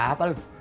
ada apa lu